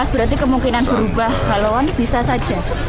berarti kemungkinan berubah haluan bisa saja